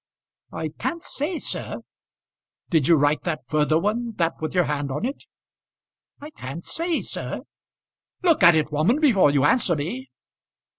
"I can't say, sir." "Did you write that further one, that with your hand on it?" "I can't say, sir." "Look at it, woman, before you answer me."